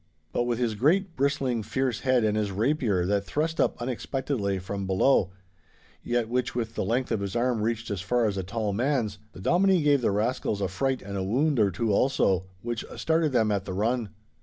But with his great bristling fierce head and his rapier that thrust up unexpectedly from below (yet which with the length of his arm reached as far as a tall man's), the Dominie gave the rascals a fright and a wound or two also, which started them at the run.